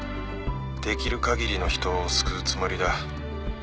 ☎できる限りの人を救うつもりだ